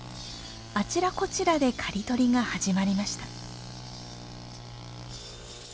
あちらこちらで刈り取りが始まりました。